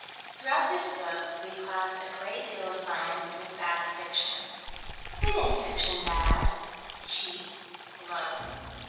Throughout this book, we class a great deal of science with bad fiction. When is fiction bad, cheap, low?